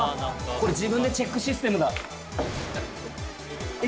これ自分でチェックシステムだ。